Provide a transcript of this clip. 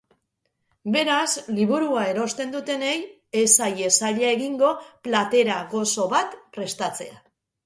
Beraz, liburua erosten dutenei ez zaie zaila egingo platera gozo bat prestatzea.